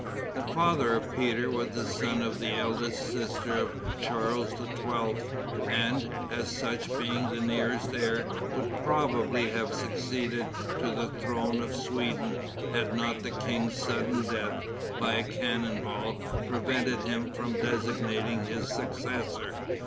The father of Peter was son of the eldest sister of Charles XII., and, as such, being the nearest heir, would probably have succeeded to the throne of Sweden had not the king's sudden death, by a cannon ball, prevented him from designating his successor.